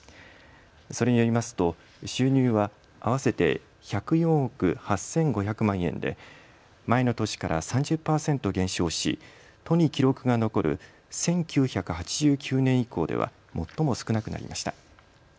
それによりますと収入は合わせて１０４億８５００万円で前の年から３０％減少し都に記録が残る１９８９年以降では最も少なくなりました。